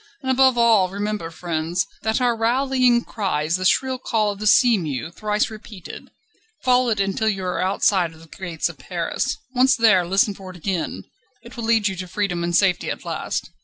And above all remember, friends, that our rallying cry is the shrill call of the sea mew thrice repeated. Follow it until you are outside the gates of Paris. Once there, listen for it again; it will lead you to freedom and safety at last.